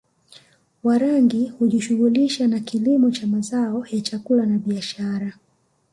Warangi hujishughulisha na kilimo cha mazao ya chakula na biashara